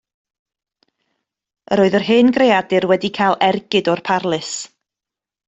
Yr oedd yr hen greadur wedi cael ergyd o'r parlys.